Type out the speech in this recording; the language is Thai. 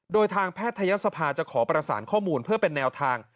โดยทางแพทยศภาจะขอประสานข้อมูลเพื่อเป็นแนวทาง